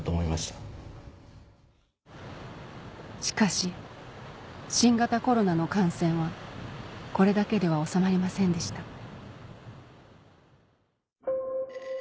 しかし新型コロナの感染はこれだけでは収まりませんでした